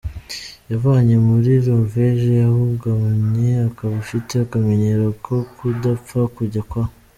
yavanye muri Norvege yawugumanye akaba afite akamenyero ko kudapfa kujya kwa.